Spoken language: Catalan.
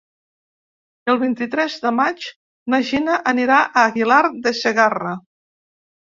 El vint-i-tres de maig na Gina anirà a Aguilar de Segarra.